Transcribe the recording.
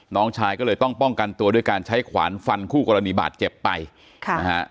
น้องชายก็เลยต้องป้องกันตัวด้วยการใช้ขวานฟันคู่กรณีบาดเจ็บไปค่ะนะฮะ